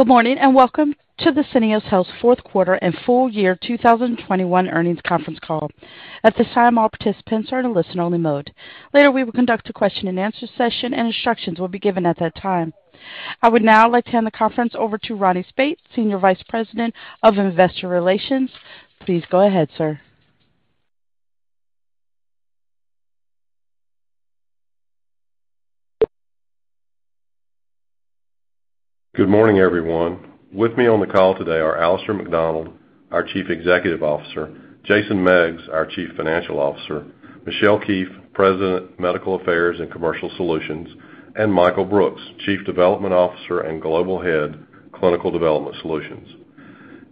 Good morning, and welcome to the Syneos Health Q4 and full year 2021 earnings conference call. I would now like to hand the conference over to Ronnie Speight, Senior Vice President of Investor Relations. Please go ahead, sir. Good morning, everyone. With me on the call today are Alistair Macdonald, our Chief Executive Officer, Jason Meggs, our Chief Financial Officer, Michelle Keefe, President, Medical Affairs and Commercial Solutions, and Michael Brooks, Chief Development Officer and Global Head, Clinical Development Solutions.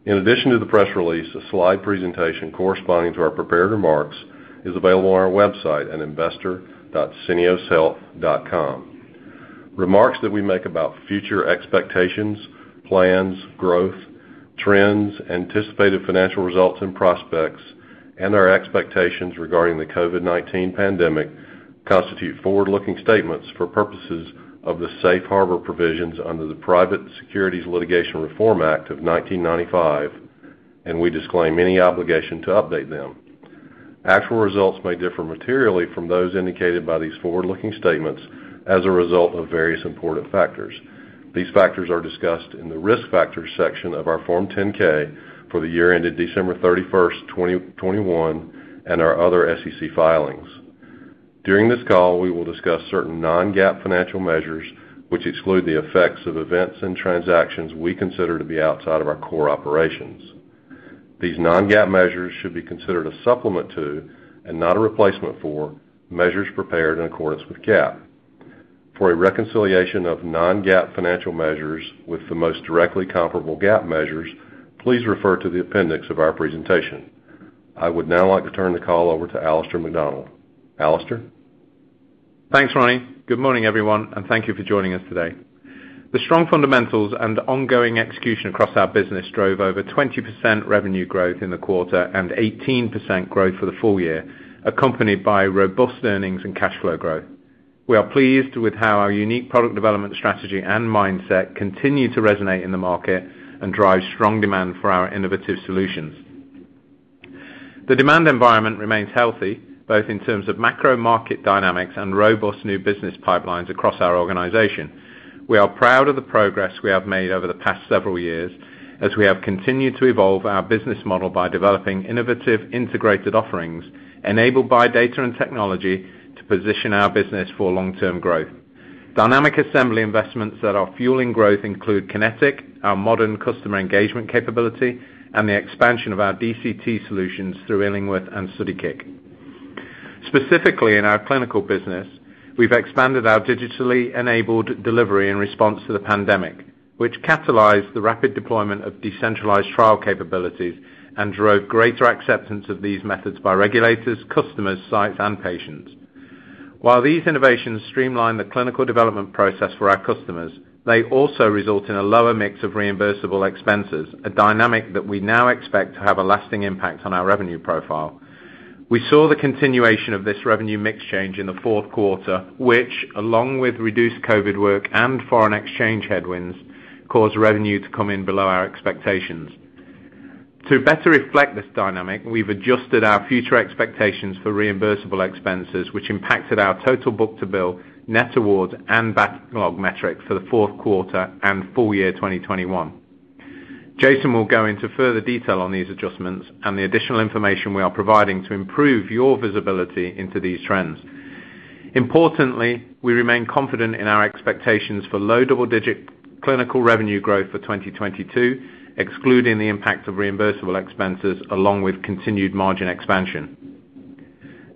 In addition to the press release, a slide presentation corresponding to our prepared remarks is available on our website at investor.syneoshealth.com. Remarks that we make about future expectations, plans, growth, trends, anticipated financial results and prospects, and our expectations regarding the COVID-19 pandemic constitute forward-looking statements for purposes of the Safe Harbor provisions under the Private Securities Litigation Reform Act of 1995, and we disclaim any obligation to update them. Actual results may differ materially from those indicated by these forward-looking statements as a result of various important factors. These factors are discussed in the Risk Factors section of our Form 10-K for the year ended December 31, 2021, and our other SEC filings. During this call, we will discuss certain non-GAAP financial measures which exclude the effects of events and transactions we consider to be outside of our core operations. These non-GAAP measures should be considered a supplement to, and not a replacement for, measures prepared in accordance with GAAP. For a reconciliation of non-GAAP financial measures with the most directly comparable GAAP measures, please refer to the appendix of our presentation. I would now like to turn the call over to Alistair Macdonald. Alistair? Thanks, Ronnie. Good morning, everyone, and thank you for joining us today. The strong fundamentals and ongoing execution across our business drove over 20% revenue growth in the quarter and 18% growth for the full year, accompanied by robust earnings and cash flow growth. We are pleased with how our unique product development strategy and mindset continue to resonate in the market and drive strong demand for our innovative solutions. The demand environment remains healthy, both in terms of macro market dynamics and robust new business pipelines across our organization. We are proud of the progress we have made over the past several years as we have continued to evolve our business model by developing innovative integrated offerings enabled by data and technology to position our business for long-term growth. Dynamic Assembly investments that are fueling growth include Kinetic, our modern customer engagement capability, and the expansion of our DCT solutions through Illingworth and StudyKIK. Specifically in our clinical business, we've expanded our digitally enabled delivery in response to the pandemic, which catalyzed the rapid deployment of decentralized trial capabilities and drove greater acceptance of these methods by regulators, customers, sites, and patients. While these innovations streamline the clinical development process for our customers, they also result in a lower mix of reimbursable expenses, a dynamic that we now expect to have a lasting impact on our revenue profile. We saw the continuation of this revenue mix change in the Q4, which along with reduced COVID work and foreign exchange headwinds, caused revenue to come in below our expectations. To better reflect this dynamic, we've adjusted our future expectations for reimbursable expenses, which impacted our total book-to-bill, net awards, and backlog metrics for the Q4 and full year 2021. Jason will go into further detail on these adjustments and the additional information we are providing to improve your visibility into these trends. Importantly, we remain confident in our expectations for low double-digit Clinical revenue growth for 2022, excluding the impact of reimbursable expenses along with continued margin expansion.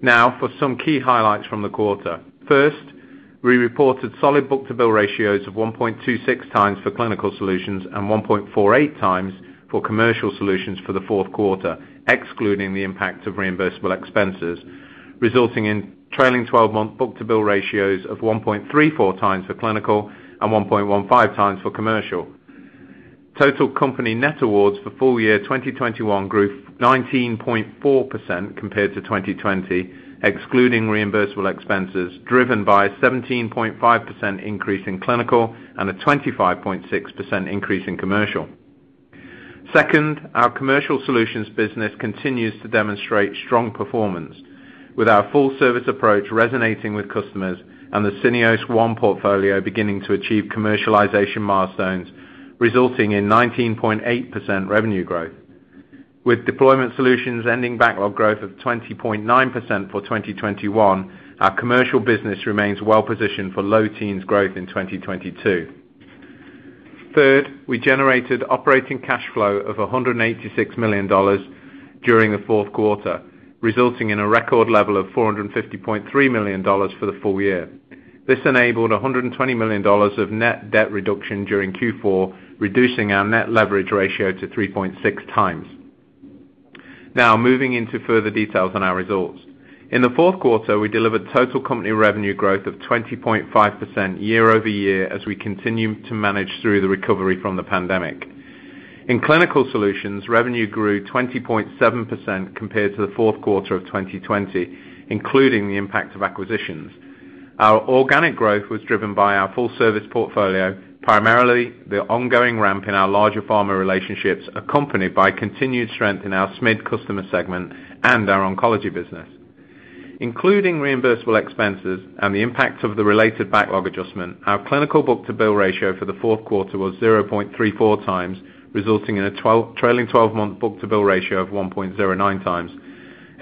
Now for some key highlights from the quarter. First, we reported solid book-to-bill ratios of 1.26x for Clinical Solutions and 1.48x for Commercial Solutions for the Q4, excluding the impact of reimbursable expenses, resulting in trailing 12-month book-to-bill ratios of 1.34x for Clinical and 1.15x for Commercial. Total company net awards for full year 2021 grew 19.4% compared to 2020, excluding reimbursable expenses driven by 17.5% increase in clinical and a 25.6% increase in commercial. Second, our commercial solutions business continues to demonstrate strong performance with our full service approach resonating with customers and the Syneos One portfolio beginning to achieve commercialization milestones, resulting in 19.8% revenue growth. With deployment solutions ending backlog growth of 20.9% for 2021, our commercial business remains well-positioned for low teens growth in 2022. Third, we generated operating cash flow of $186 million during the Q4, resulting in a record level of $450.3 million for the full year. This enabled $120 million of net debt reduction during Q4, reducing our net leverage ratio to 3.6 times. Now, moving into further details on our results. In the Q4, we delivered total company revenue growth of 20.5% year-over-year as we continue to manage through the recovery from the pandemic. In clinical solutions, revenue grew 20.7% compared to the Q4 of 2020, including the impact of acquisitions. Our organic growth was driven by our full service portfolio, primarily the ongoing ramp in our larger pharma relationships, accompanied by continued strength in our SMID customer segment and our oncology business. Including reimbursable expenses and the impact of the related backlog adjustment, our clinical book-to-bill ratio for the Q4 was 0.34 times, resulting in a trailing twelve-month book-to-bill ratio of 1.09 times.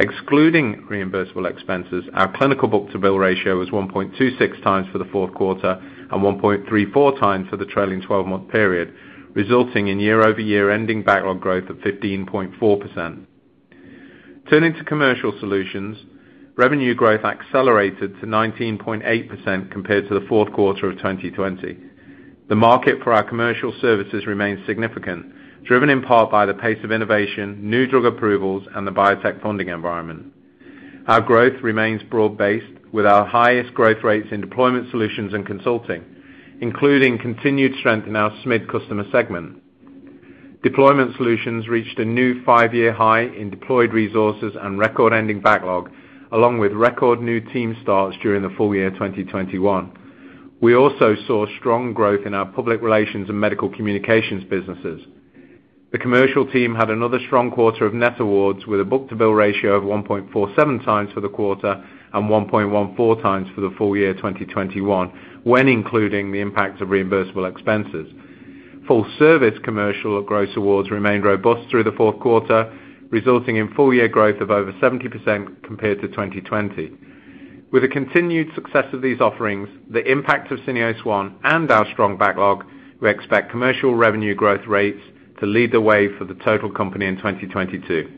Excluding reimbursable expenses, our clinical book-to-bill ratio was 1.26 times for the Q4 and 1.34 times for the trailing twelve-month period, resulting in year-over-year ending backlog growth of 15.4%. Turning to Commercial Solutions, revenue growth accelerated to 19.8% compared to the Q4 of 2020. The market for our commercial services remains significant, driven in part by the pace of innovation, new drug approvals, and the biotech funding environment. Our growth remains broad-based with our highest growth rates in deployment solutions and consulting, including continued strength in our SMID customer segment. Deployment solutions reached a new 5-year high in deployed resources and record-ending backlog, along with record new team starts during the full year 2021. We also saw strong growth in our public relations and medical communications businesses. The commercial team had another strong quarter of net awards with a book-to-bill ratio of 1.47 times for the quarter and 1.14 times for the full year 2021, when including the impact of reimbursable expenses. Full service commercial gross awards remained robust through the Q4, resulting in full year growth of over 70% compared to 2020. With the continued success of these offerings, the impact of Syneos One and our strong backlog, we expect commercial revenue growth rates to lead the way for the total company in 2022.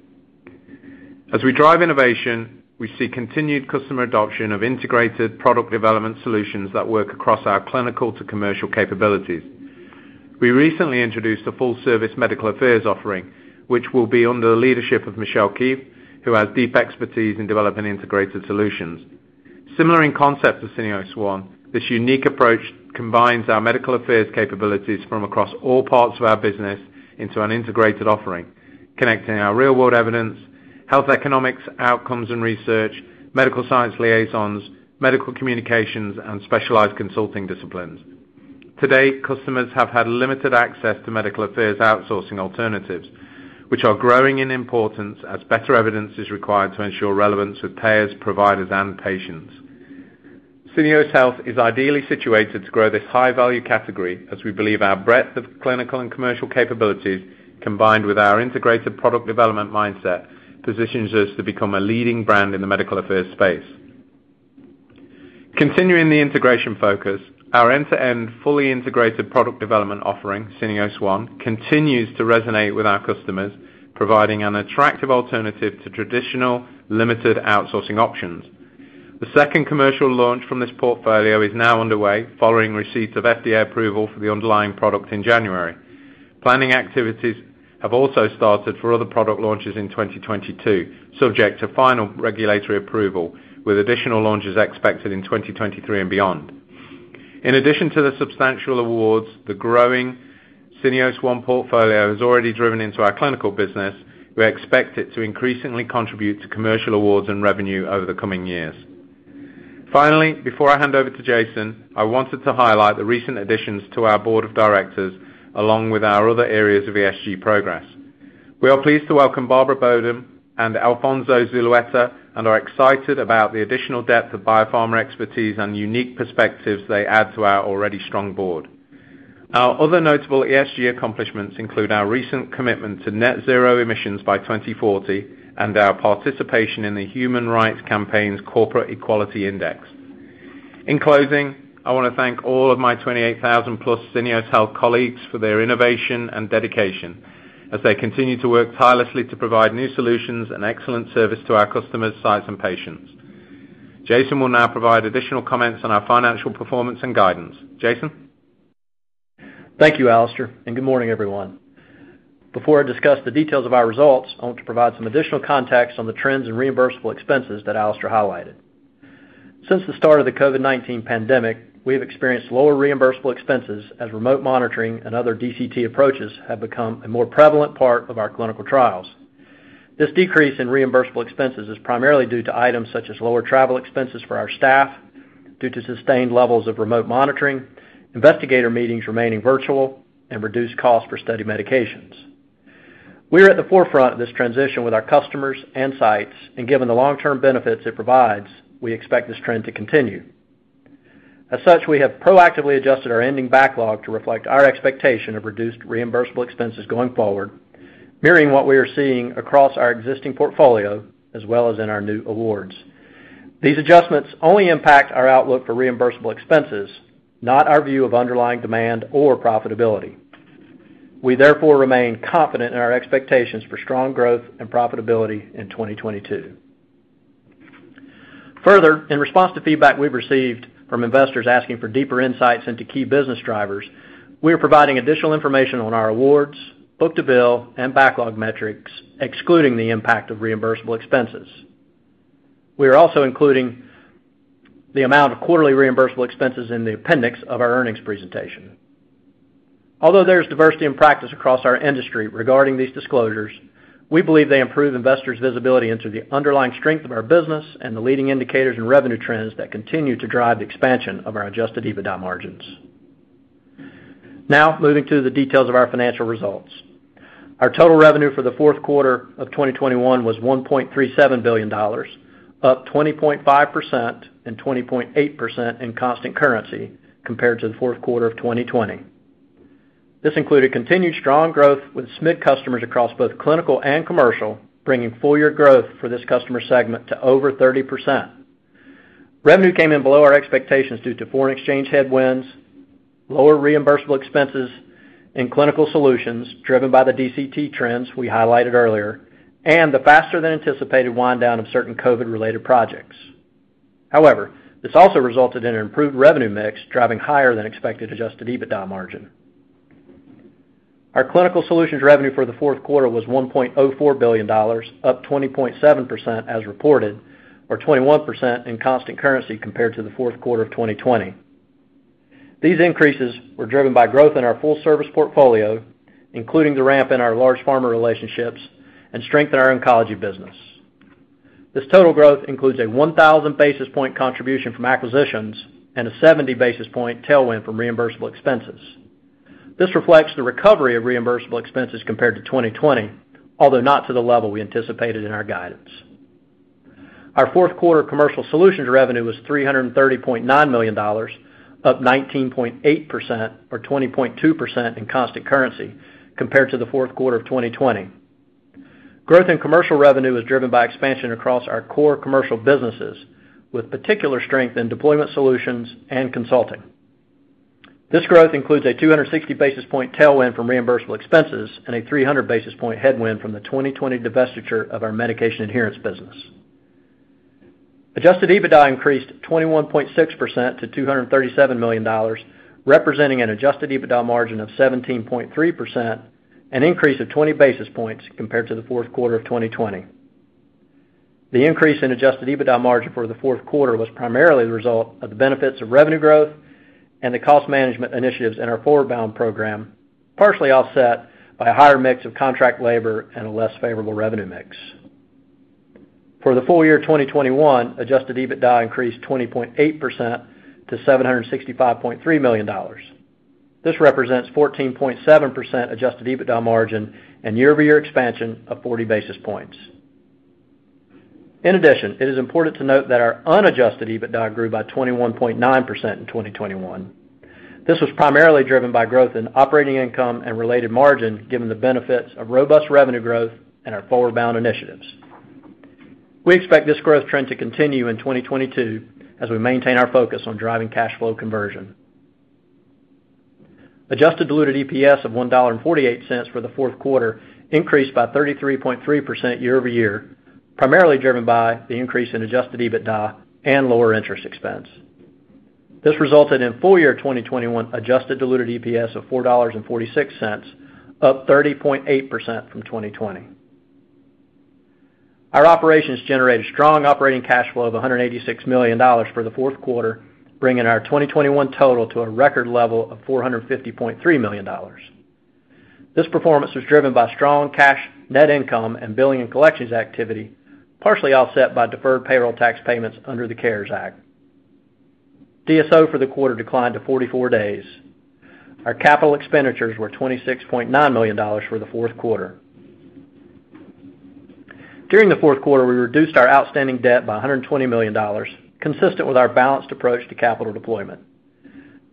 As we drive innovation, we see continued customer adoption of integrated product development solutions that work across our clinical to commercial capabilities. We recently introduced a full service medical affairs offering, which will be under the leadership of Michelle Keefe, who has deep expertise in developing integrated solutions. Similar in concept to Syneos One, this unique approach combines our medical affairs capabilities from across all parts of our business into an integrated offering, connecting our real-world evidence, health economics, outcomes, and research, medical science liaisons, medical communications, and specialized consulting disciplines. To date, customers have had limited access to medical affairs outsourcing alternatives, which are growing in importance as better evidence is required to ensure relevance with payers, providers, and patients. Syneos Health is ideally situated to grow this high-value category as we believe our breadth of clinical and commercial capabilities, combined with our integrated product development mindset, positions us to become a leading brand in the medical affairs space. Continuing the integration focus, our end-to-end fully integrated product development offering, Syneos One, continues to resonate with our customers, providing an attractive alternative to traditional limited outsourcing options. The second commercial launch from this portfolio is now underway following receipt of FDA approval for the underlying product in January. Planning activities have also started for other product launches in 2022, subject to final regulatory approval, with additional launches expected in 2023 and beyond. In addition to the substantial awards, the growing Syneos One portfolio has already driven into our clinical business. We expect it to increasingly contribute to commercial awards and revenue over the coming years. Finally, before I hand over to Jason, I wanted to highlight the recent additions to our board of directors, along with our other areas of ESG progress. We are pleased to welcome Barbara Bodem and Alfonso Zulueta and are excited about the additional depth of biopharma expertise and unique perspectives they add to our already strong board. Our other notable ESG accomplishments include our recent commitment to net-zero emissions by 2040 and our participation in the Human Rights Campaign's Corporate Equality Index. In closing, I want to thank all of my 28,000+ Syneos Health colleagues for their innovation and dedication as they continue to work tirelessly to provide new solutions and excellent service to our customers, sites, and patients. Jason will now provide additional comments on our financial performance and guidance. Jason? Thank you, Alistair, and good morning, everyone. Before I discuss the details of our results, I want to provide some additional context on the trends in reimbursable expenses that Alistair highlighted. Since the start of the COVID-19 pandemic, we have experienced lower reimbursable expenses as remote monitoring and other DCT approaches have become a more prevalent part of our clinical trials. This decrease in reimbursable expenses is primarily due to items such as lower travel expenses for our staff due to sustained levels of remote monitoring, investigator meetings remaining virtual, and reduced cost for study medications. We are at the forefront of this transition with our customers and sites, and given the long-term benefits it provides, we expect this trend to continue. As such, we have proactively adjusted our ending backlog to reflect our expectation of reduced reimbursable expenses going forward, mirroring what we are seeing across our existing portfolio as well as in our new awards. These adjustments only impact our outlook for reimbursable expenses, not our view of underlying demand or profitability. We therefore remain confident in our expectations for strong growth and profitability in 2022. Further, in response to feedback we've received from investors asking for deeper insights into key business drivers, we are providing additional information on our awards, book-to-bill, and backlog metrics excluding the impact of reimbursable expenses. We are also including the amount of quarterly reimbursable expenses in the appendix of our earnings presentation. Although there's diversity in practice across our industry regarding these disclosures, we believe they improve investors' visibility into the underlying strength of our business and the leading indicators in revenue trends that continue to drive the expansion of our adjusted EBITDA margins. Now, moving to the details of our financial results. Our total revenue for the Q4 of 2021 was $1.37 billion, up 20.5% and 20.8% in constant currency compared to the Q4 of 2020. This included continued strong growth with SMID customers across both clinical and commercial, bringing full year growth for this customer segment to over 30%. Revenue came in below our expectations due to foreign exchange headwinds, lower reimbursable expenses in Clinical Solutions driven by the DCT trends we highlighted earlier, and the faster than anticipated wind down of certain COVID-related projects. However, this also resulted in an improved revenue mix, driving higher than expected adjusted EBITDA margin. Our Clinical Solutions revenue for the Q4 was $1.04 billion, up 20.7% as reported, or 21% in constant currency compared to the Q4 of 2020. These increases were driven by growth in our full service portfolio, including the ramp in our large pharma relationships and strength in our oncology business. This total growth includes a 1,000 basis point contribution from acquisitions and a 70 basis point tailwind from reimbursable expenses. This reflects the recovery of reimbursable expenses compared to 2020, although not to the level we anticipated in our guidance. Our Q4 Commercial Solutions revenue was $330.9 million, up 19.8% or 20.2% in constant currency compared to the Q4 of 2020. Growth in commercial revenue was driven by expansion across our core commercial businesses, with particular strength in deployment solutions and consulting. This growth includes a 260 basis point tailwind from reimbursable expenses and a 300 basis point headwind from the 2020 divestiture of our medication adherence business. Adjusted EBITDA increased 21.6% to $237 million, representing an adjusted EBITDA margin of 17.3%, an increase of 20 basis points compared to the Q4 of 2020. The increase in adjusted EBITDA margin for the Q4 was primarily the result of the benefits of revenue growth and the cost management initiatives in our ForwardBound program, partially offset by a higher mix of contract labor and a less favorable revenue mix. For the full year 2021, adjusted EBITDA increased 20.8% to $765.3 million. This represents 14.7% adjusted EBITDA margin and year-over-year expansion of 40 basis points. In addition, it is important to note that our unadjusted EBITDA grew by 21.9% in 2021. This was primarily driven by growth in operating income and related margin, given the benefits of robust revenue growth and our ForwardBound initiatives. We expect this growth trend to continue in 2022 as we maintain our focus on driving cash flow conversion. Adjusted diluted EPS of $1.48 for the Q4 increased by 33.3% year-over-year, primarily driven by the increase in adjusted EBITDA and lower interest expense. This resulted in full year 2021 adjusted diluted EPS of $4.46, up 30.8% from 2020. Our operations generated strong operating cash flow of $186 million for the Q4, bringing our 2021 total to a record level of $450.3 million. This performance was driven by strong cash net income and billing and collections activity, partially offset by deferred payroll tax payments under the CARES Act. DSO for the quarter declined to 44 days. Our capital expenditures were $26.9 million for the Q4. During the Q4, we reduced our outstanding debt by $120 million, consistent with our balanced approach to capital deployment.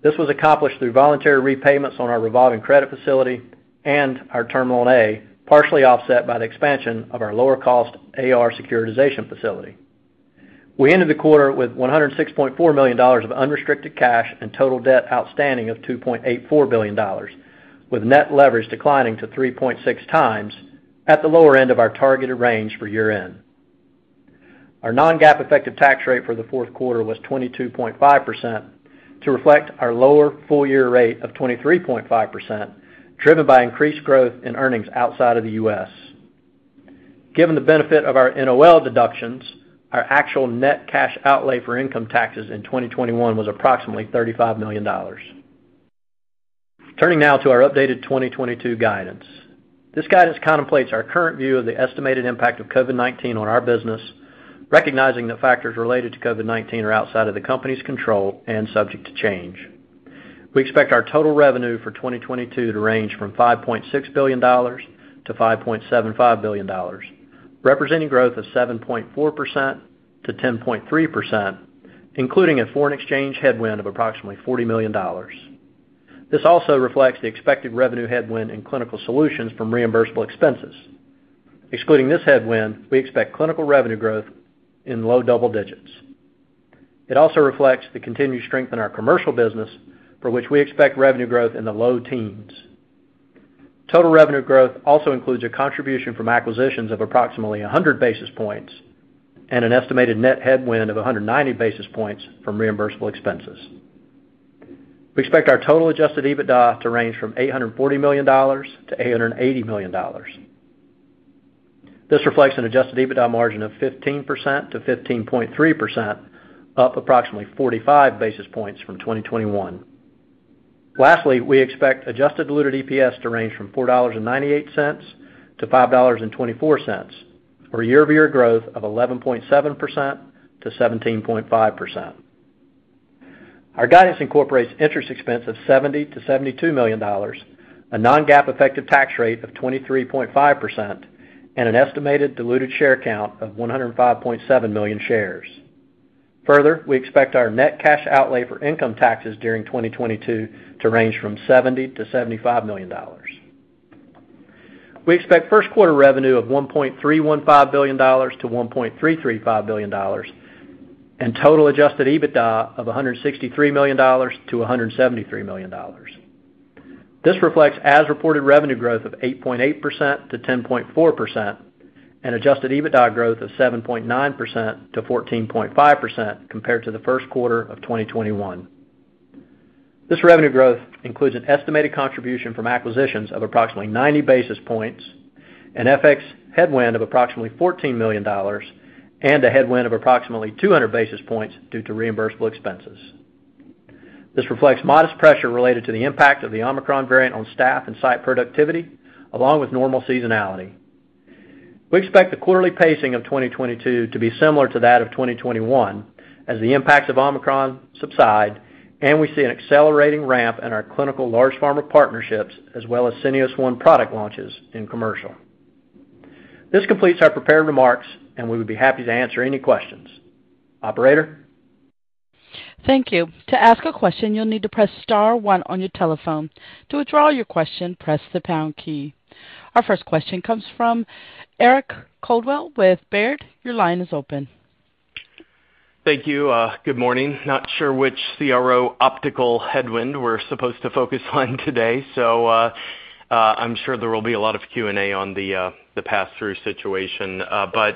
This was accomplished through voluntary repayments on our revolving credit facility and our Term Loan A, partially offset by the expansion of our lower cost AR securitization facility. We ended the quarter with $106.4 million of unrestricted cash and total debt outstanding of $2.84 billion, with net leverage declining to 3.6x at the lower end of our targeted range for year-end. Our non-GAAP effective tax rate for the Q4 was 22.5% to reflect our lower full year rate of 23.5%, driven by increased growth in earnings outside of the U.S. Given the benefit of our NOL deductions, our actual net cash outlay for income taxes in 2021 was approximately $35 million. Turning now to our updated 2022 guidance. This guidance contemplates our current view of the estimated impact of COVID-19 on our business, recognizing that factors related to COVID-19 are outside of the company's control and subject to change. We expect our total revenue for 2022 to range from $5.6 billion to $5.75 billion, representing growth of 7.4% to 10.3%, including a foreign exchange headwind of approximately $40 million. This also reflects the expected revenue headwind in Clinical Solutions from reimbursable expenses. Excluding this headwind, we expect clinical revenue growth in low double digits. It also reflects the continued strength in our Commercial business, for which we expect revenue growth in the low teens. Total revenue growth also includes a contribution from acquisitions of approximately 100 basis points and an estimated net headwind of 190 basis points from reimbursable expenses. We expect our total adjusted EBITDA to range from $840 million-$880 million. This reflects an adjusted EBITDA margin of 15%-15.3%, up approximately 45 basis points from 2021. Lastly, we expect adjusted diluted EPS to range from $4.98 to $5.24, or a year-over-year growth of 11.7%-17.5%. Our guidance incorporates interest expense of $70 million-$72 million, a non-GAAP effective tax rate of 23.5%, and an estimated diluted share count of 105.7 million shares. Further, we expect our net cash outlay for income taxes during 2022 to range from $70 million-$75 million. We expect Q1 revenue of $1.315 billion-$1.335 billion, and total adjusted EBITDA of $163 million-$173 million. This reflects as-reported revenue growth of 8.8%-10.4% and adjusted EBITDA growth of 7.9%-14.5% compared to the Q1 of 2021. This revenue growth includes an estimated contribution from acquisitions of approximately 90 basis points and FX headwind of approximately $14 million and a headwind of approximately 200 basis points due to reimbursable expenses. This reflects modest pressure related to the impact of the Omicron variant on staff and site productivity, along with normal seasonality. We expect the quarterly pacing of 2022 to be similar to that of 2021 as the impacts of Omicron subside and we see an accelerating ramp in our clinical large pharma partnerships as well as Syneos One product launches in commercial. This completes our prepared remarks, and we would be happy to answer any questions. Thank you. Good morning. Not sure which CRO potential headwind we're supposed to focus on today, so I'm sure there will be a lot of Q&A on the pass-through situation. I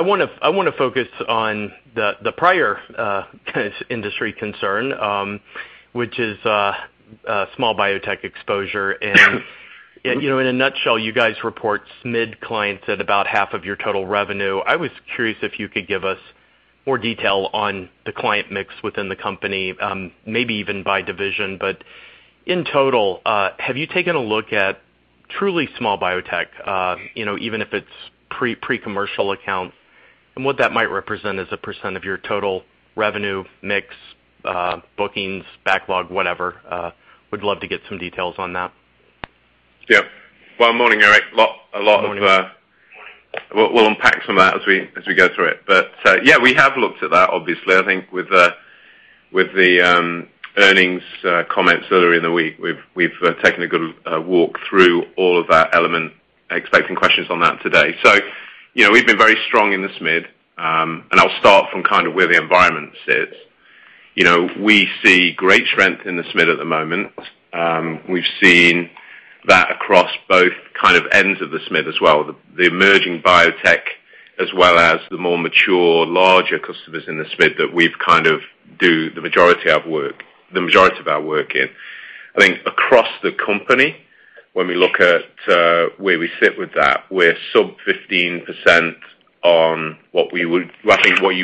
wanna focus on the prior kind of industry concern, which is a small biotech exposure. You know, in a nutshell, you guys report SMID clients at about half of your total revenue. I was curious if you could give us more detail on the client mix within the company, maybe even by division. In total, have you taken a look at truly small biotech, you know, even if it's pre-commercial accounts, and what that might represent as a percent of your total revenue mix, bookings, backlog, whatever? Would love to get some details on that. Yeah. Well, morning, Eric. A lot of Morning. We'll unpack some of that as we go through it. Yeah, we have looked at that, obviously. I think with the earnings comments earlier in the week, we've taken a good walk through all of that element, expecting questions on that today. You know, we've been very strong in the SMID, and I'll start from kind of where the environment sits. You know, we see great strength in the SMID at the moment. We've seen that across both kind of ends of the SMID as well, the emerging biotech as well as the more mature, larger customers in the SMID that we kind of do the majority of our work in. I think across the company, when we look at where we sit with that, we're sub 15% on what you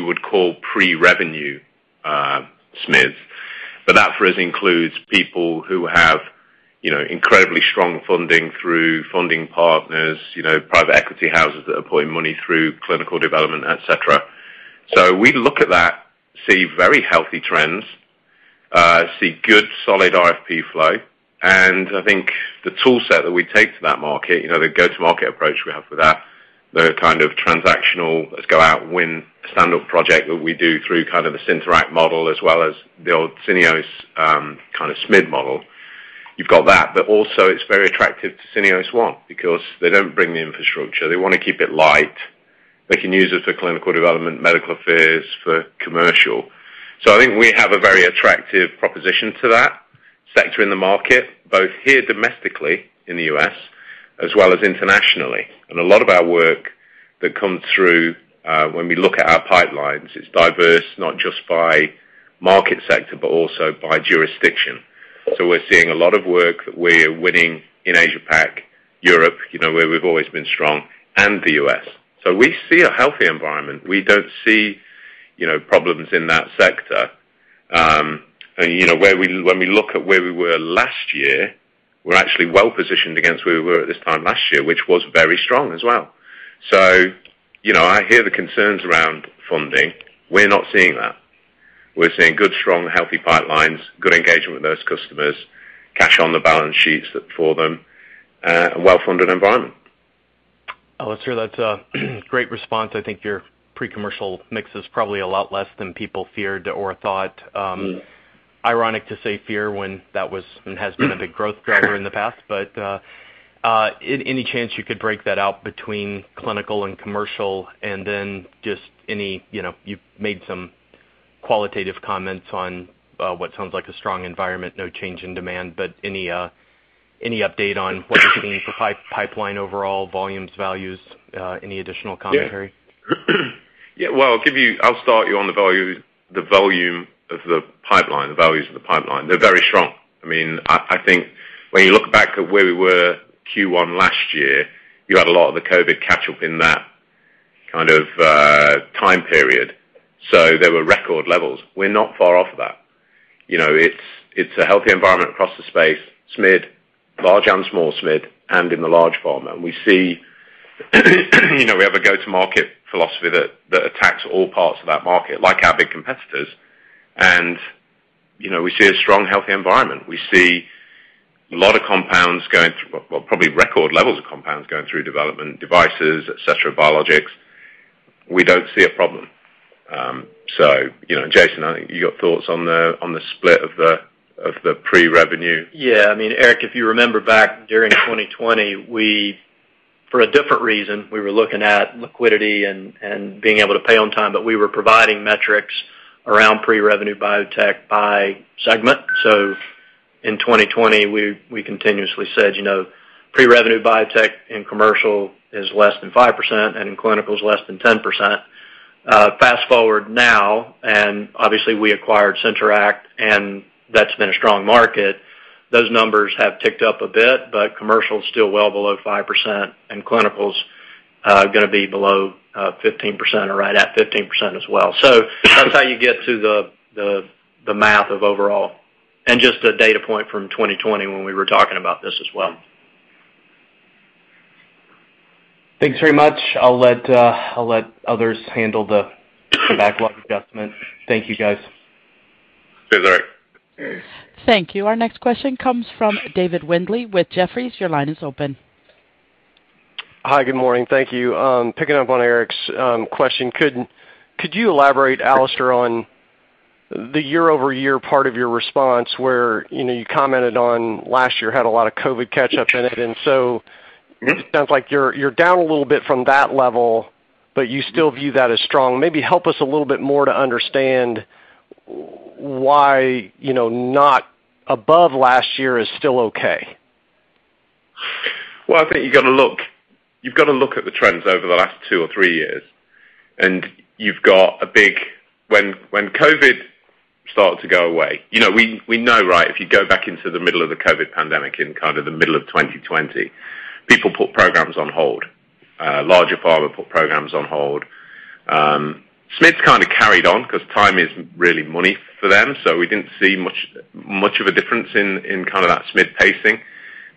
would call pre-revenue SMIDs. That, for us, includes people who have, you know, incredibly strong funding through funding partners, you know, private equity houses that are putting money through clinical development, et cetera. We look at that, see very healthy trends, see good, solid RFP flow. I think the tool set that we take to that market, you know, the go-to-market approach we have for that, the kind of transactional, let's go out and win a stand-up project that we do through kind of a Synteract model as well as the old Syneos kind of SMID model. You've got that, but also it's very attractive to Syneos One because they don't bring the infrastructure. They wanna keep it light. They can use it for clinical development, medical affairs, for commercial. I think we have a very attractive proposition to that sector in the market, both here domestically in the U.S. as well as internationally. A lot of our work that comes through, when we look at our pipelines, it's diverse, not just by market sector, but also by jurisdiction. We're seeing a lot of work that we're winning in Asia PAC, Europe, you know, where we've always been strong, and the U.S. We see a healthy environment. We don't see, you know, problems in that sector. You know, when we look at where we were last year, we're actually well-positioned against where we were at this time last year, which was very strong as well. You know, I hear the concerns around funding. We're not seeing that. We're seeing good, strong, healthy pipelines, good engagement with those customers, cash on the balance sheets for them, a well-funded environment. Oh, sir, that's a great response. I think your pre-commercial mix is probably a lot less than people feared or thought. Ironic to say fear when that was and has been a big growth driver in the past. Any chance you could break that out between clinical and commercial? Just any, you know, you've made some qualitative comments on what sounds like a strong environment, no change in demand, but any update on what you're seeing for pipeline overall, volumes, values, any additional commentary? Yeah. Well, I'll start you on the volume of the pipeline, the values of the pipeline. They're very strong. I mean, I think when you look back at where we were Q1 last year, you had a lot of the COVID catch-up in that kind of time period. So there were record levels. We're not far off of that. You know, it's a healthy environment across the space, SMID, large and small SMID, and in the large pharma. We see, you know, we have a go-to-market philosophy that attacks all parts of that market, like our big competitors. You know, we see a strong, healthy environment. We see a lot of compounds going through. Well, probably record levels of compounds going through development, devices, et cetera, biologics. We don't see a problem. you know, Jason, I think you got thoughts on the split of the pre-revenue. Yeah. I mean, Eric, if you remember back during 2020, for a different reason, we were looking at liquidity and being able to pay on time, but we were providing metrics around pre-revenue biotech by segment. In 2020, we continuously said, you know, pre-revenue biotech in Commercial is less than 5%, and in Clinical is less than 10%. Fast-forward now, and obviously, we acquired Synteract, and that's been a strong market. Those numbers have ticked up a bit, but Commercial is still well below 5%, and Clinical's gonna be below 15% or right at 15% as well. That's how you get to the math of overall, and just a data point from 2020 when we were talking about this as well. Thanks very much. I'll let others handle the backlog adjustment. Thank you, guys. Thanks, Eric. Hi. Good morning. Thank you. Picking up on Eric's question, could you elaborate, Alistair, on the year-over-year part of your response where, you know, you commented on last year had a lot of COVID catch-up in it. It sounds like you're down a little bit from that level, but you still view that as strong. Maybe help us a little bit more to understand why, you know, not above last year is still okay. Well, I think you've going to look at the trends over the last two or three years, and you've got a big. When COVID started to go away, you know, we know, right, if you go back into the middle of the COVID pandemic in kind of the middle of 2020, people put programs on hold. Larger pharma put programs on hold. SMIDs kind of carried on 'cause time isn't really money for them, so we didn't see much of a difference in kind of that SMID pacing,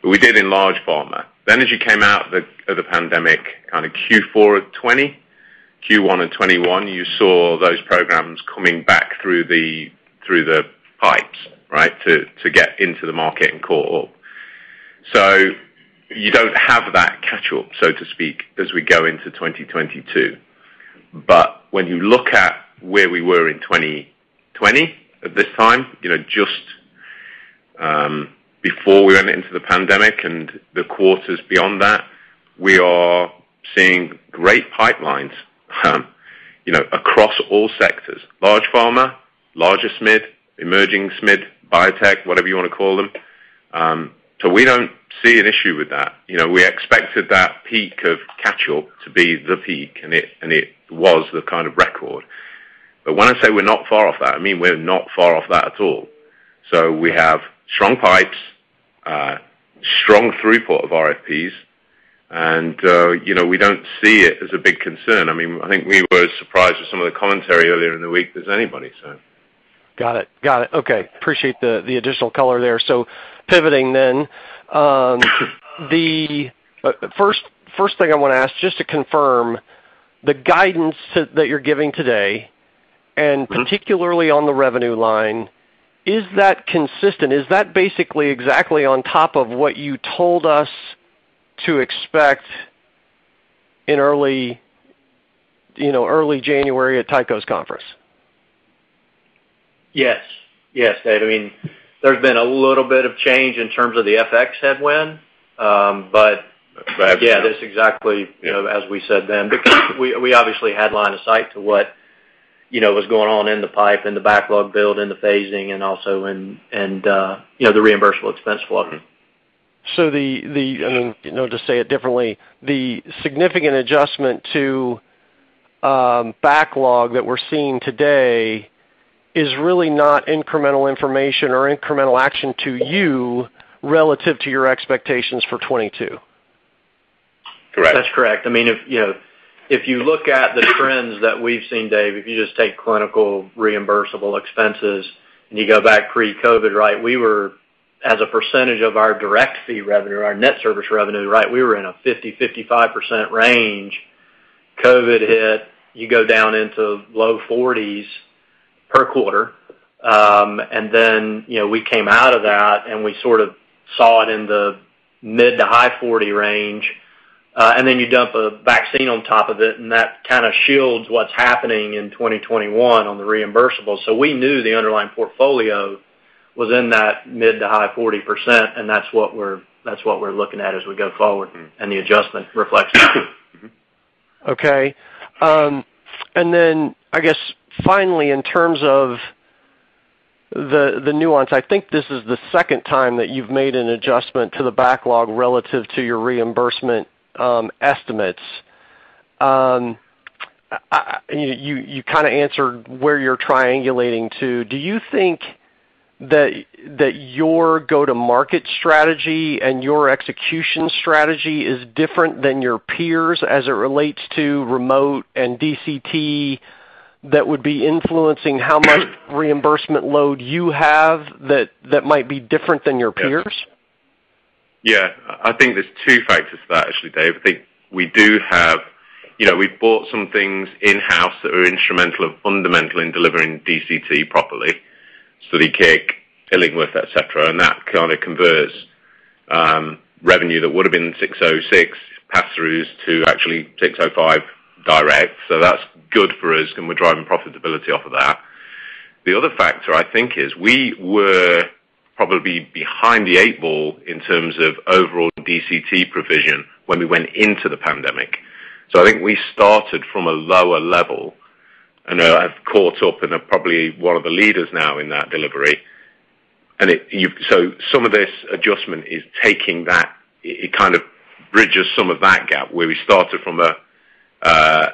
but we did in large pharma. As you came out of the pandemic, kinda Q4 of 2020, Q1 of 2021, you saw those programs coming back through the pipes, right, to get into the market and caught up. You don't have that catch-up, so to speak, as we go into 2022. When you look at where we were in 2020 at this time, you know, just before we went into the pandemic and the quarters beyond that, we are seeing great pipelines, you know, across all sectors, large pharma, larger SMID, emerging SMID, biotech, whatever you wanna call them. We don't see an issue with that. You know, we expected that peak of catch-up to be the peak, and it was the kind of record. When I say we're not far off that, I mean, we're not far off that at all. We have strong pipes, strong throughput of RFPs, and, you know, we don't see it as a big concern. I mean, I think we were as surprised as some of the commentary earlier in the week as anybody, so. Got it. Okay. Appreciate the additional color there. Pivoting then, first thing I wanna ask, just to confirm, the guidance that you're giving today, and particularly on the revenue line, is that consistent? Is that basically exactly on top of what you told us to expect in early, you know, early January at JPMorgan's conference? Yes. Yes, Dave. I mean, there's been a little bit of change in terms of the FX headwind, but yeah, that's exactly, you know, as we said then. Because we obviously had line of sight to what, you know, was going on in the pipe, in the backlog build, in the phasing and also in the reimbursable expense flow. you know, to say it differently, the significant adjustment to backlog that we're seeing today is really not incremental information or incremental action to you relative to your expectations for 2022? Correct. That's correct. I mean, if you know, if you look at the trends that we've seen, Dave, if you just take clinical reimbursable expenses and you go back pre-COVID, right? We were, as a percentage of our direct fee revenue, our net service revenue, right, we were in a 50-55% range. COVID hit, you go down into low 40s% per quarter. And then, you know, we came out of that, and we sort of saw it in the mid- to high-40s range. And then you dump a vaccine on top of it, and that kinda shields what's happening in 2021 on the reimbursable. So we knew the underlying portfolio was in that mid- to high-40%, and that's what we're looking at as we go forward, and the adjustment reflects that. Mm-hmm. Okay. I guess finally, in terms of The nuance. I think this is the second time that you've made an adjustment to the backlog relative to your reimbursement estimates. You kinda answered where you're triangulating to. Do you think that your go-to-market strategy and your execution strategy is different than your peers as it relates to remote and DCT that would be influencing how much reimbursement load you have that might be different than your peers? Yeah. I think there's two factors to that actually, Dave. I think we do have you know we've bought some things in-house that are instrumental or fundamental in delivering DCT properly. StudyKIK, Illingworth, et cetera, and that kinda converts revenue that would have been ASC 606 pass-throughs to actually ASC 605 direct. That's good for us, and we're driving profitability off of that. The other factor, I think, is we were probably behind the eight ball in terms of overall DCT provision when we went into the pandemic. I think we started from a lower level, and now have caught up and are probably one of the leaders now in that delivery. Some of this adjustment is taking that. It kind of bridges some of that gap, where we started from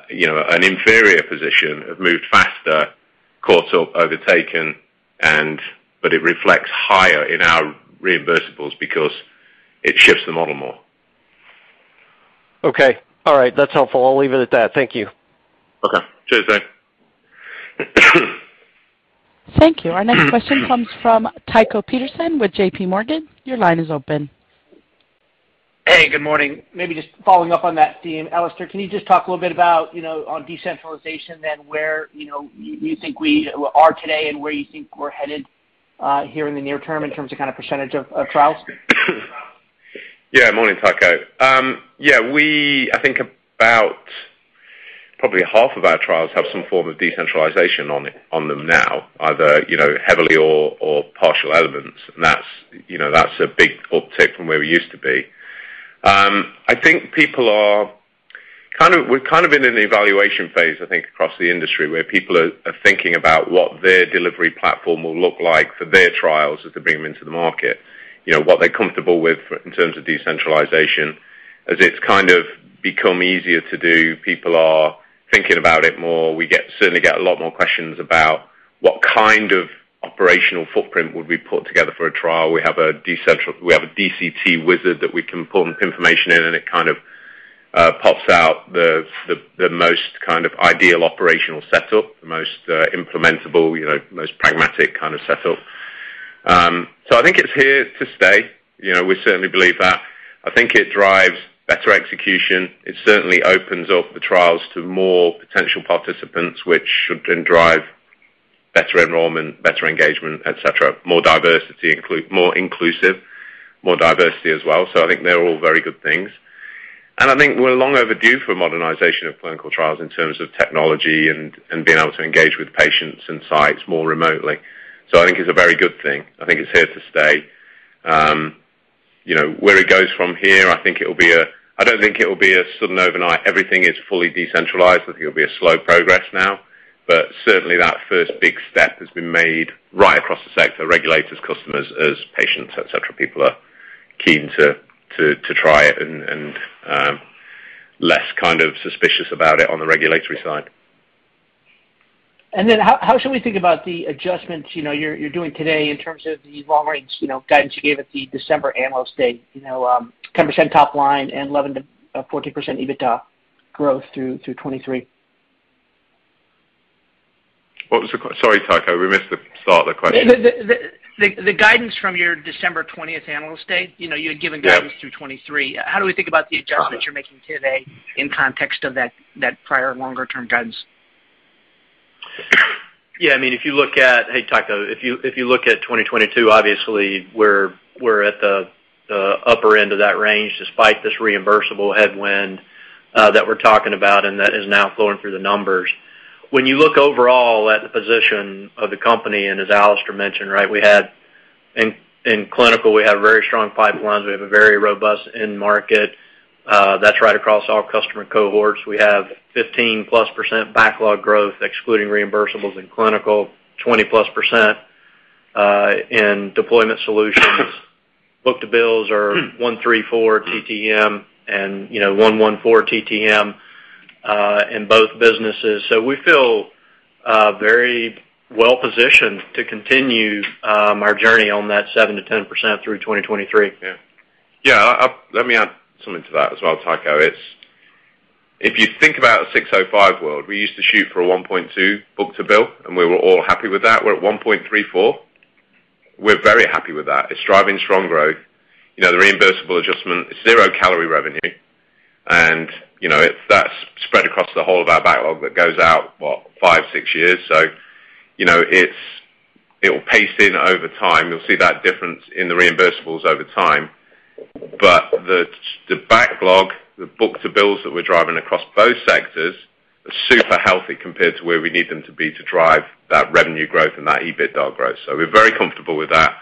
you know, an inferior position, have moved faster, caught up, overtaken, and but it reflects higher in our reimbursables because it shifts the model more. Okay. All right. That's helpful. I'll leave it at that. Thank you. Okay. Cheers, Dave. Hey, good morning. Maybe just following up on that theme. Alistair, can you just talk a little bit about, you know, on decentralization and where, you know, you think we are today and where you think we're headed, here in the near term in terms of kinda percentage of trials? Morning, Tycho. I think about probably half of our trials have some form of decentralization on them now, either you know heavily or partial elements. That's you know a big uptick from where we used to be. I think we're kind of in an evaluation phase, I think, across the industry, where people are thinking about what their delivery platform will look like for their trials as they bring them into the market. You know what they're comfortable with in terms of decentralization. As it's kind of become easier to do, people are thinking about it more. We certainly get a lot more questions about what kind of operational footprint would we put together for a trial. We have a DCT wizard that we can put information in, and it kind of pops out the most kind of ideal operational setup, the most implementable, you know, most pragmatic kind of setup. I think it's here to stay. You know, we certainly believe that. I think it drives better execution. It certainly opens up the trials to more potential participants, which should then drive better enrollment, better engagement, et cetera, more diversity, more inclusive, more diversity as well. I think they're all very good things. I think we're long overdue for modernization of clinical trials in terms of technology and being able to engage with patients and sites more remotely. I think it's a very good thing. I think it's here to stay. You know, where it goes from here, I think it'll be. I don't think it will be a sudden overnight everything is fully decentralized. I think it'll be a slow progress now. Certainly that first big step has been made right across the sector, regulators, customers, as patients, et cetera. People are keen to try it and less kind of suspicious about it on the regulatory side. How should we think about the adjustments, you know, you're doing today in terms of the long range, you know, guidance you gave at the December Analyst Day? You know, 10% top line and 11%-14% EBITDA growth through 2023. Sorry, Tycho, we missed the start of the question. The guidance from your December 20 Analyst Day. You know, you had given guidance. Yeah. through 2023. How do we think about the adjustments you're making today in context of that prior longer term guidance? Yeah, I mean, if you look at 2022, obviously we're at the upper end of that range despite this reimbursable headwind that we're talking about and that is now flowing through the numbers. Hey, Tycho. If you look at 2022, obviously we're at the upper end of that range despite this reimbursable headwind that we're talking about and that is now flowing through the numbers. When you look overall at the position of the company, and as Alistair mentioned, right, we have very strong pipelines in clinical. We have a very robust end market. That's right across all customer cohorts. We have 15%+ backlog growth, excluding reimbursables in clinical. 20%+ in deployment solutions. Book-to-bills are 1.34 TTM and, you know, 1.14 TTM in both businesses. We feel very well-positioned to continue our journey on that 7%-10% through 2023. Yeah. Let me add something to that as well, Tycho. It's if you think about a 605 world, we used to shoot for a 1.2 book-to-bill, and we were all happy with that. We're at 1.34. We're very happy with that. It's driving strong growth. You know, the reimbursable adjustment is zero-calorie revenue. You know, if that's spread across the whole of our backlog, that goes out, what, 5, 6 years. You know, it'll pace in over time. You'll see that difference in the reimbursables over time. But the backlog, the book-to-bills that we're driving across both sectors are super healthy compared to where we need them to be to drive that revenue growth and that EBITDA growth. We're very comfortable with that.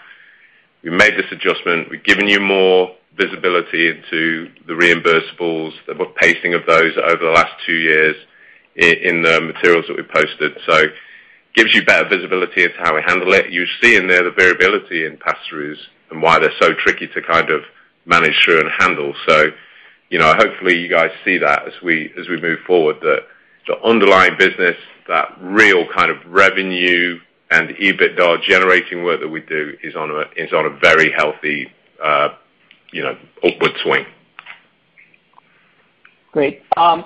We made this adjustment. We've given you more visibility into the reimbursables, the pacing of those over the last two years in the materials that we posted. Gives you better visibility into how we handle it. You see in there the variability in pass-throughs and why they're so tricky to kind of manage through and handle. You know, hopefully you guys see that as we move forward, the underlying business, that real kind of revenue and EBITDA generating work that we do is on a very healthy, you know, upward swing. Great.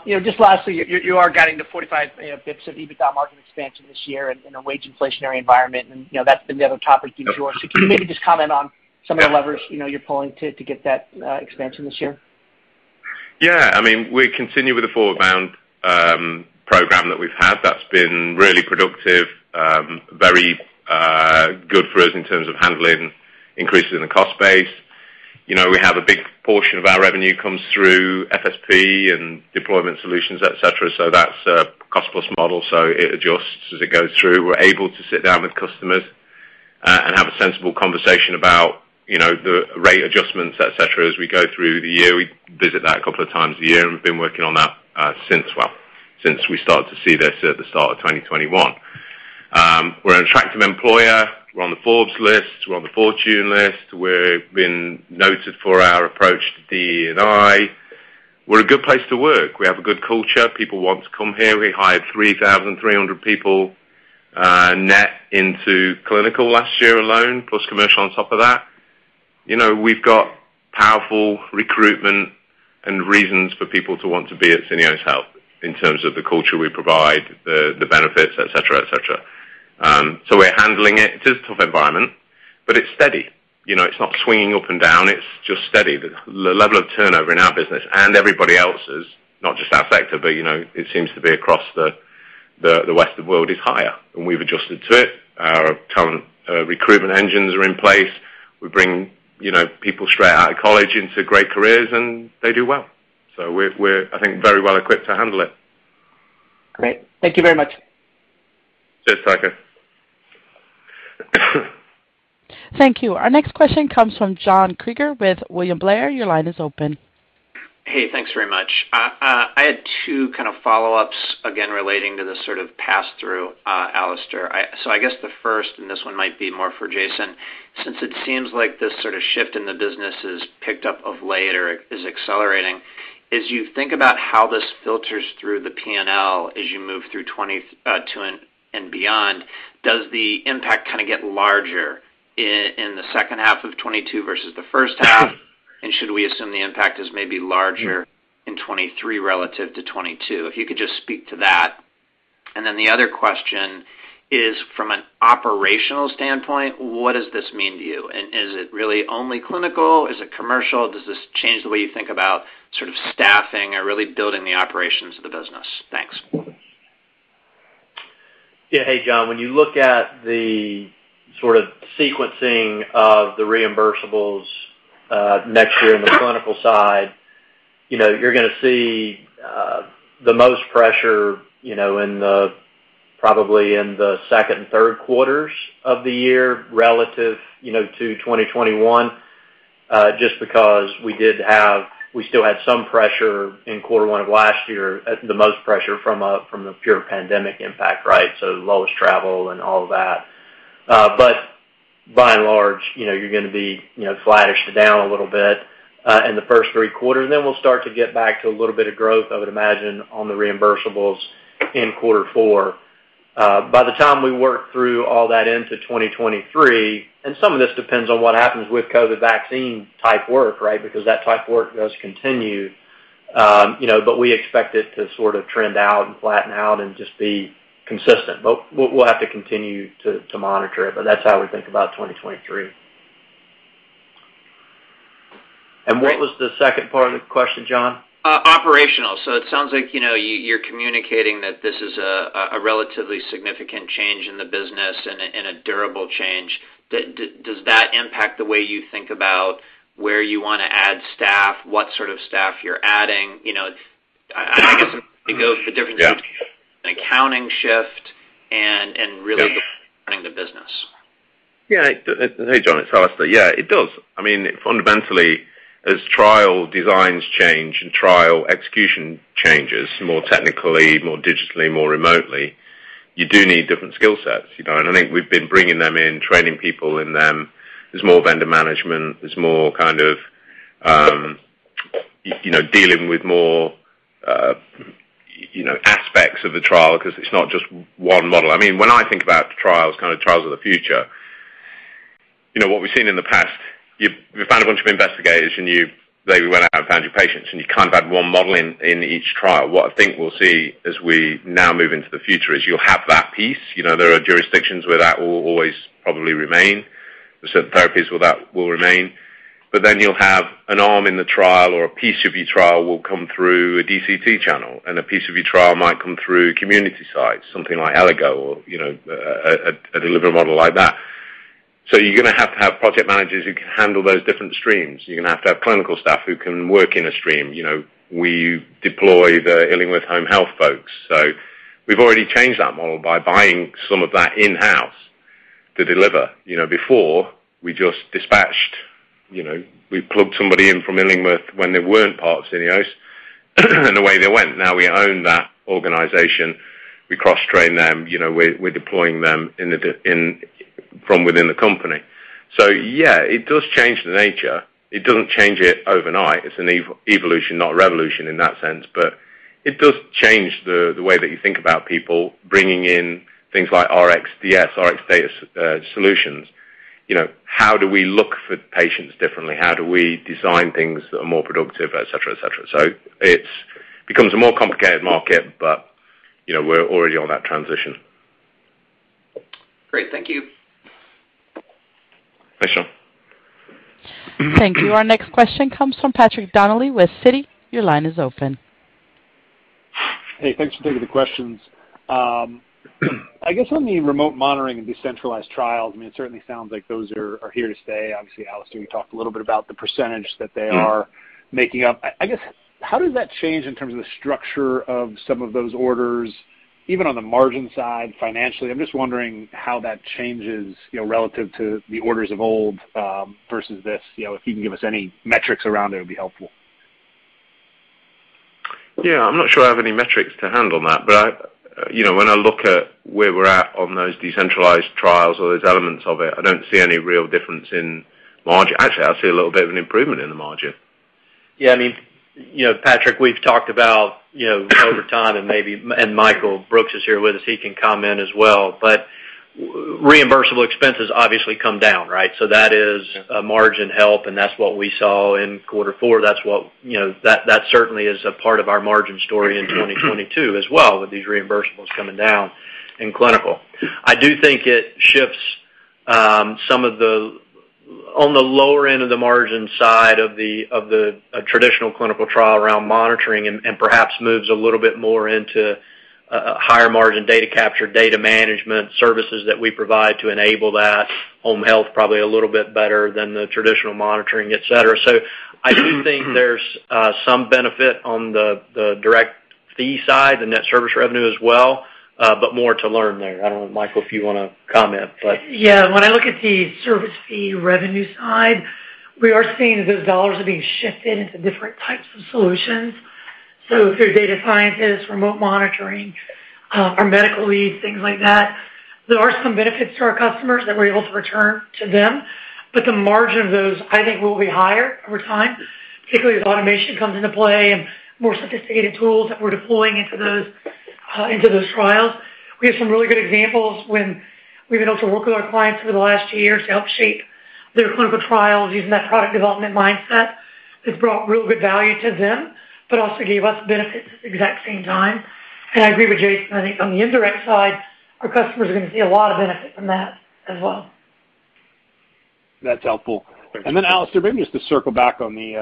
You know, just lastly, you are guiding the 45 basis points of EBITDA margin expansion this year in a wage inflationary environment. You know, that's been the other topic du jour. Can you maybe just comment on some of the levers, you know, you're pulling to get that expansion this year? Yeah, I mean, we continue with the ForwardBound program that we've had. That's been really productive, very good for us in terms of handling increases in the cost base. You know, we have a big portion of our revenue comes through FSP and deployment solutions, et cetera. That's a cost plus model, so it adjusts as it goes through. We're able to sit down with customers and have a sensible conversation about, you know, the rate adjustments, et cetera, as we go through the year. We visit that a couple of times a year, and we've been working on that since well, since we started to see this at the start of 2021. We're an attractive employer. We're on the Forbes list, we're on the Fortune list. We're being noted for our approach to DE&I. We're a good place to work. We have a good culture. People want to come here. We hired 3,300 people net into clinical last year alone, plus commercial on top of that. You know, we've got powerful recruitment and reasons for people to want to be at Syneos Health in terms of the culture we provide, the benefits, et cetera, et cetera. We're handling it. It is a tough environment, but it's steady. You know, it's not swinging up and down, it's just steady. The level of turnover in our business and everybody else's, not just our sector, but you know, it seems to be across the Western world is higher, and we've adjusted to it. Our talent recruitment engines are in place. We bring, you know, people straight out of college into great careers, and they do well. We're, I think, very well equipped to handle it. Great. Thank you very much. Cheers, Parker. Hey, thanks very much. I had two kind of follow-ups, again, relating to this sort of pass through, Alistair. So I guess the first and this one might be more for Jason, since it seems like this sort of shift in the business is picked up of late or is accelerating, as you think about how this filters through the P&L as you move through 2022 and beyond, does the impact kind of get larger in the second half of 2022 versus the first half? And should we assume the impact is maybe larger in 2023 relative to 2022? If you could just speak to that. And then the other question is, from an operational standpoint, what does this mean to you? And is it really only clinical? Is it commercial? Does this change the way you think about sort of staffing or really building the operations of the business? Thanks. Yeah. Hey, John. When you look at the sort of sequencing of the reimbursables next year in the clinical side, you know, you're gonna see the most pressure, you know, in probably the second and Q3s of the year relative, you know, to 2021, just because we still had some pressure in quarter one of last year, the most pressure from the pure pandemic impact, right? Lowest travel and all of that. By and large, you know, you're gonna be, you know, flattish to down a little bit in the first three quarters. We'll start to get back to a little bit of growth, I would imagine, on the reimbursables in quarter four. By the time we work through all that into 2023, and some of this depends on what happens with COVID vaccine type work, right? Because that type work does continue, you know. We expect it to sort of trend out and flatten out and just be consistent. We'll have to continue to monitor it. That's how we think about 2023. What was the second part of the question, John? Operational. It sounds like, you know, you're communicating that this is a relatively significant change in the business and a durable change. Does that impact the way you think about where you wanna add staff, what sort of staff you're adding? You know, I guess it goes to the difference between- Yeah. an accounting shift and really running the business. Yeah. Hey, John, it's Alistair. Yeah, it does. I mean, fundamentally, as trial designs change and trial execution changes more technically, more digitally, more remotely, you do need different skill sets, you know? I think we've been bringing them in, training people in them. There's more vendor management. There's more kind of, you know, dealing with more, you know, aspects of the trial 'cause it's not just one model. I mean, when I think about the trials, kind of trials of the future, you know, what we've seen in the past, you found a bunch of investigators and they went out and found your patients, and you kind of had one model in each trial. What I think we'll see as we now move into the future is you'll have that piece. You know, there are jurisdictions where that will always probably remain. There's certain therapies where that will remain. Then you'll have an arm in the trial or a PCB trial will come through a DCT channel, and a PCB trial might come through community sites, something like Elligo or, you know, a delivery model like that. You're gonna have to have project managers who can handle those different streams. You're gonna have to have clinical staff who can work in a stream. You know, we deploy the Illingworth home health folks. We've already changed that model by buying some of that in-house to deliver. You know, before we just dispatched, you know, we plugged somebody in from Illingworth when they weren't part of Syneos, and away they went. Now we own that organization. We cross-train them, you know, we're deploying them from within the company. Yeah, it does change the nature. It doesn't change it overnight. It's an evolution, not revolution in that sense. It does change the way that you think about people bringing in things like RxDataScience. You know, how do we look for patients differently? How do we design things that are more productive, et cetera, et cetera? It becomes a more complicated market, but, you know, we're already on that transition. Great. Thank you. Thanks, John. Hey, thanks for taking the questions. I guess on the remote monitoring and decentralized trials, I mean, it certainly sounds like those are here to stay. Obviously, Alistair, you talked a little bit about the percentage that they are making up. I guess, how does that change in terms of the structure of some of those orders, even on the margin side, financially? I'm just wondering how that changes, you know, relative to the orders of old, versus this. You know, if you can give us any metrics around it would be helpful. Yeah. I'm not sure I have any metrics to handle that. I, you know, when I look at where we're at on those decentralized trials or those elements of it, I don't see any real difference in margin. Actually, I see a little bit of an improvement in the margin. Yeah, I mean, you know, Patrick, we've talked about, you know, over time and Michael Brooks is here with us, he can comment as well. Reimbursable expenses obviously come down, right? So that is a margin help, and that's what we saw in quarter four. That's what, you know, that certainly is a part of our margin story in 2022 as well, with these reimbursables coming down in Clinical. I do think it shifts some of the on the lower end of the margin side of the traditional clinical trial around monitoring and perhaps moves a little bit more into higher margin data capture, data management services that we provide to enable that home health probably a little bit better than the traditional monitoring, et cetera. I do think there's some benefit on the direct fee side, the net service revenue as well, but more to learn there. I don't know, Michael, if you wanna comment, but. Yeah. When I look at the service fee revenue side, we are seeing those dollars are being shifted into different types of solutions. Through data scientists, remote monitoring, our medical leads, things like that. There are some benefits to our customers that we're able to return to them, but the margin of those, I think, will be higher over time, particularly as automation comes into play and more sophisticated tools that we're deploying into those, into those trials. We have some really good examples when we've been able to work with our clients over the last two years to help shape their clinical trials using that product development mindset that brought real good value to them, but also gave us benefits at the exact same time. I agree with Jason. I think on the indirect side, our customers are gonna see a lot of benefit from that as well. That's helpful. Then Alistair, maybe just to circle back on the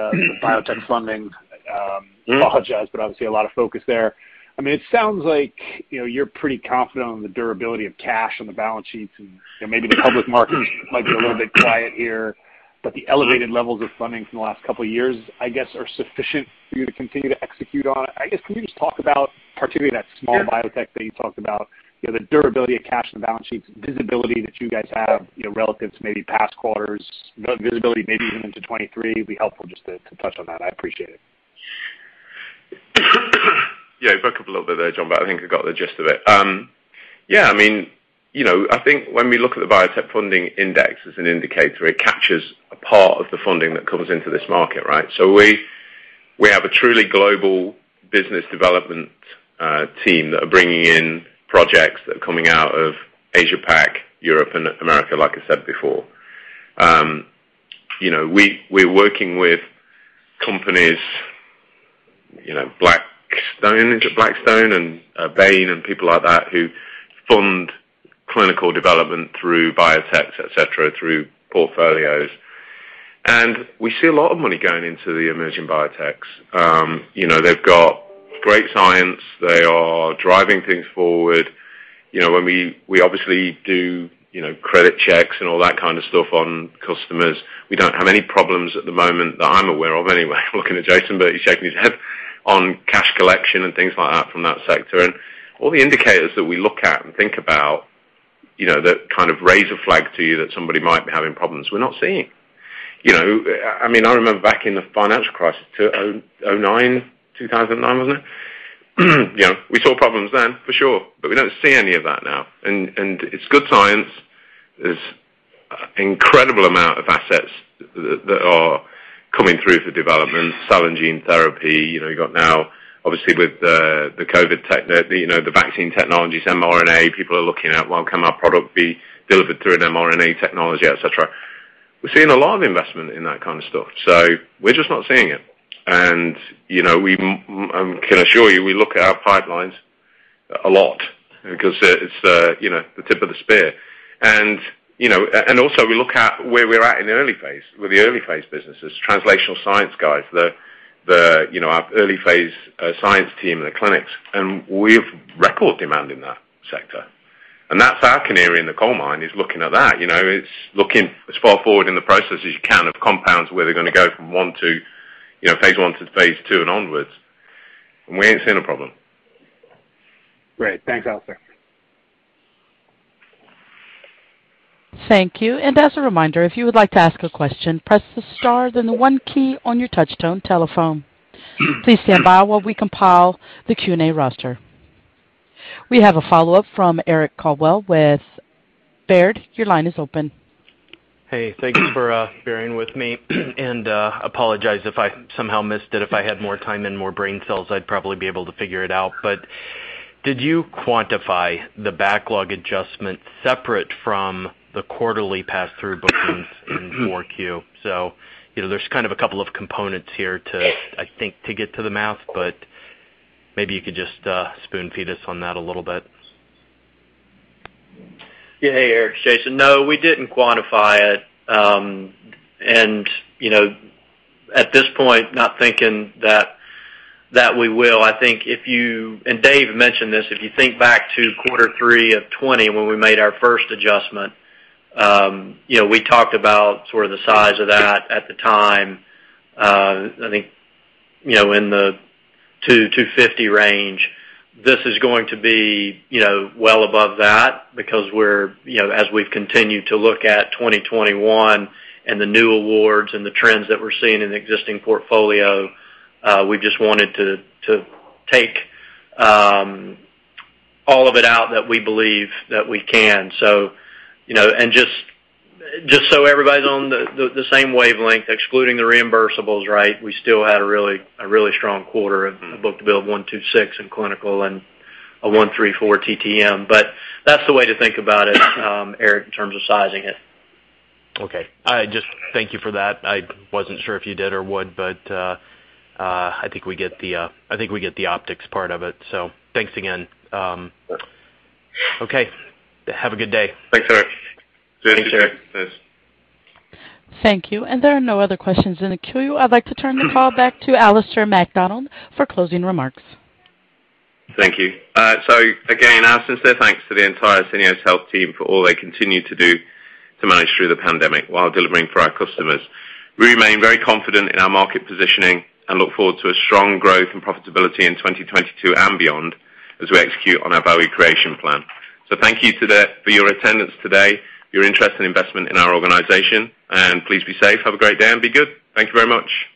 biotech funding. I apologize, but obviously a lot of focus there. I mean, it sounds like, you know, you're pretty confident on the durability of cash on the balance sheets and, you know, maybe the public markets might be a little bit quiet here, but the elevated levels of funding from the last couple of years, I guess, are sufficient for you to continue to execute on. I guess, can you just talk about particularly that small biotech that you talked about, you know, the durability of cash on the balance sheets, visibility that you guys have, you know, relative to maybe past quarters, visibility maybe even into 2023. It'd be helpful just to touch on that. I appreciate it. Yeah, you broke up a little bit there, John, but I think I got the gist of it. Yeah, I mean, you know, I think when we look at the biotech funding index as an indicator, it captures a part of the funding that comes into this market, right? We have a truly global business development team that are bringing in projects that are coming out of Asia Pac, Europe, and America, like I said before. You know, we're working with companies, you know, like Blackstone and Bain and people like that, who fund clinical development through biotechs, et cetera, through portfolios. We see a lot of money going into the emerging biotechs. You know, they've got great science. They are driving things forward. You know, when we obviously do, you know, credit checks and all that kind of stuff on customers. We don't have any problems at the moment that I'm aware of anyway. I'm looking at Jason, but he's shaking his head on cash collection and things like that from that sector. All the indicators that we look at and think about, you know, that kind of raise a flag to you that somebody might be having problems, we're not seeing. You know, I mean, I remember back in the financial crisis, 2009. 2009, wasn't it? You know, we saw problems then for sure, but we don't see any of that now. It's good science. There's incredible amount of assets that are coming through for development, cell and gene therapy. You know, you got now obviously with the COVID tech you know, the vaccine technologies, mRNA, people are looking at, well, can our product be delivered through an mRNA technology, et cetera. We're seeing a lot of investment in that kind of stuff. We're just not seeing it. You know, we can assure you, we look at our pipelines a lot because it's, you know, the tip of the spear. You know, also we look at where we're at in the early phase with the early phase businesses, translational science guys, you know, our early phase science team in the clinics, and we have record demand in that sector. That's our canary in the coal mine is looking at that, you know? It's looking as far forward in the process as you can of compounds, where they're gonna go from one to, you know, phase I to phase II and onwards. We are not seeing any issues Great. Thanks, Alistair. Hey. Thank you for bearing with me. Apologize if I somehow missed it. If I had more time and more brain cells, I'd probably be able to figure it out. Did you quantify the backlog adjustment separate from the quarterly pass-through bookings in 4Q? You know, there's kind of a couple of components here to get to the math, but maybe you could just spoon feed us on that a little bit. Yeah. Hey, Eric. It's Jason. No, we didn't quantify it. You know, at this point, not thinking that we will. I think Dave mentioned this, if you think back to quarter three of 2020 when we made our first adjustment, you know, we talked about sort of the size of that at the time, I think, you know, in the $200-$250 range. This is going to be, you know, well above that because we're, you know, as we've continued to look at 2021 and the new awards and the trends that we're seeing in existing portfolio, we just wanted to take all of it out that we believe that we can. You know, just so everybody's on the same wavelength, excluding the reimbursables, right? We still had a really strong quarter book-to-bill of 1.26 in clinical and a 1.34 TTM. That's the way to think about it, Eric, in terms of sizing it. Okay. I just thank you for that. I wasn't sure if you did or would, but I think we get the optics part of it, so thanks again. Okay. Have a good day. Thanks, Eric. Thanks, Eric. Thank you. Again, our sincere thanks to the entire Syneos Health team for all they continue to do to manage through the pandemic while delivering for our customers. We remain very confident in our market positioning and look forward to a strong growth and profitability in 2022 and beyond as we execute on our value creation plan. Thank you today for your attendance today, your interest and investment in our organization, and please be safe. Have a great day and be good. Thank you very much.